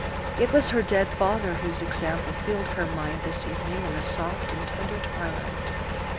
It was her dead father whose example filled her mind this evening in the soft and tender twilight.